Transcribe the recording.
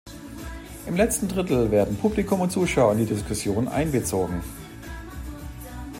Im letzten Drittel werden Publikum und Zuschauer in die Diskussion einbezogen.